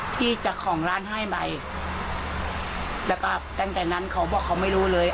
ที่เจ้าของร้านให้ไปแล้วก็ตั้งแต่นั้นเขาบอกเขาไม่รู้เลย